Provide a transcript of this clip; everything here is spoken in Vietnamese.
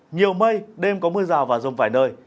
nhiều mây đêm có mưa rào và rông vài nơi